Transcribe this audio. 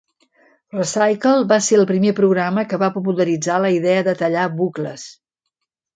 ReCycle va ser el primer programa que va popularitzar la idea de tallar bucles.